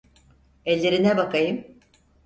Ellerine bakayım.